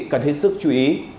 cần hết sức chú ý